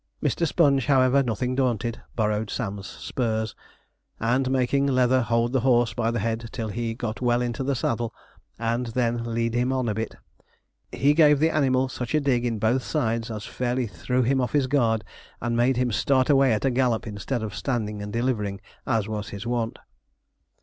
Mr. Sponge, however, nothing daunted, borrowed Sam's spurs, and making Leather hold the horse by the head till he got well into the saddle, and then lead him on a bit; he gave the animal such a dig in both sides as fairly threw him off his guard, and made him start away at a gallop, instead of standing and delivering, as was his wont.